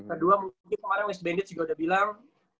kedua mungkin kemarin wiss bandits juga udah bilang